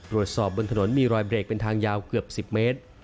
ตรวจสอบบนถนนมีรอยเบรกเป็นทางยาวเกือบ๑๐เมตร